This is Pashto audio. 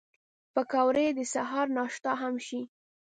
پکورې د سهر ناشته هم شي